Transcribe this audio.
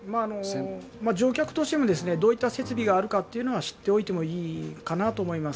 乗客としても、どういった設備があるかは知っておいてもいいかなと思います。